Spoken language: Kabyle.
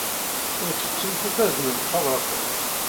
Ur ttettumt ad taznemt tabṛat-nni.